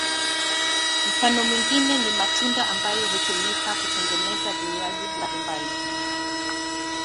Mfano mwingine ni matunda ambayo hutumika kutengeneza vinywaji mbalimbali.